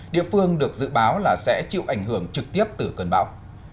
địa phương được dự báo là sẽ chịu ảnh hưởng trực tiếp từ cơn bão